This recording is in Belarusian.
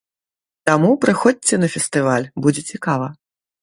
Таму прыходзьце на фестываль, будзе цікава!